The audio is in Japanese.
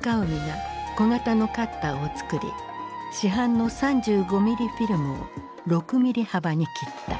深海が小型のカッターをつくり市販の３５ミリフィルムを６ミリ幅に切った。